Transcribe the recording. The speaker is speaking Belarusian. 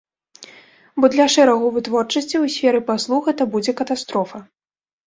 Бо для шэрагу вытворчасцяў і сферы паслуг гэта будзе катастрофа.